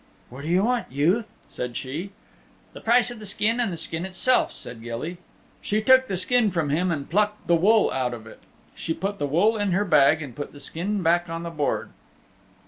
"What do you want, youth?" said she. "The price of the skin and the skin itself," said Gilly. She took the skin from him and plucked the wool out of it. She put the wool in her bag and put the skin back on the board.